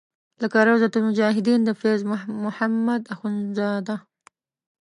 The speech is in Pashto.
لکه روضة المجاهدین د فیض محمد اخونزاده.